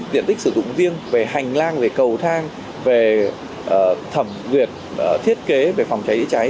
diện tích sử dụng riêng về hành lang về cầu thang về thẩm duyệt thiết kế về phòng cháy chữa cháy